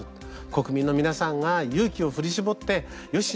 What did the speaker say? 国民の皆さんが勇気を振り絞ってよし！